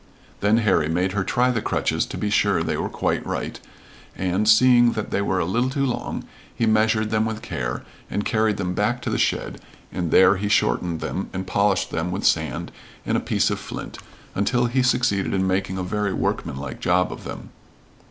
Then Harry made her try the crutches to be sure they were quite right, and, seeing that they were a little too long, he measured them with care, and carried them back to the shed, and there he shortened them and polished them with sand and a piece of flint, until he succeeded in making a very workmanlike job of them.